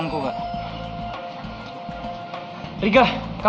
mungkin cuma kebiasaan